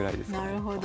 なるほど。